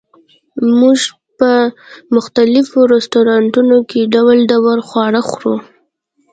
موږ په مختلفو رستورانتونو کې ډول ډول خواړه خورو